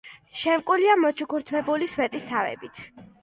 შემკულია მოჩუქურთმებული სვეტისთავებით.